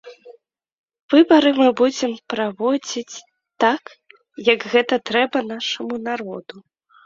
Выбары мы будзем праводзіць так, як гэта трэба нашаму народу.